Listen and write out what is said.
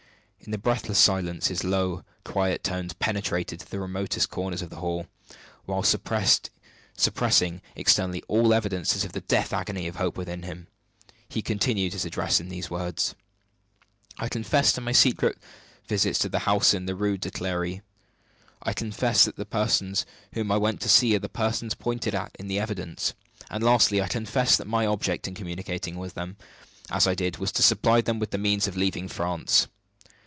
In the breathless silence, his low, quiet tones penetrated to the remotest corners of the hall; while, suppressing externally all evidences of the death agony of hope within him, he continued his address in these words: "I confess my secret visits to the house in the Rue de Clery. I confess that the persons whom I went to see are the persons pointed at in the evidence. And, lastly, I confess that my object in communicating with them as I did was to supply them with the means of leaving France.